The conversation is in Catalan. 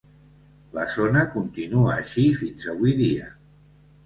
La zona continua així fins avui dia.